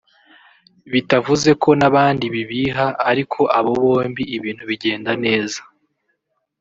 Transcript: bitavuze ko n’abandi bibiha ariko abo bombi ibintu bigenda neza